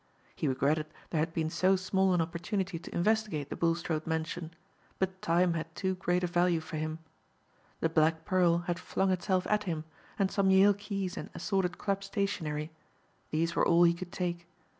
He regretted there had been so small an opportunity to investigate the Bulstrode mansion but time had too great a value for him. The black pearl had flung itself at him, and some yale keys and assorted club stationery these were all he could take.